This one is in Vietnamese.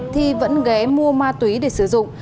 thi vẫn ghé mua ma túy để sử dụng